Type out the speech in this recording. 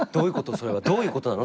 それは。どういうことなの？